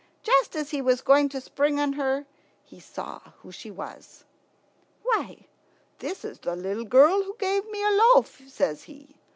Just as he was going to spring on her he saw who she was. "Why, this is the little girl who gave me the loaf," says he.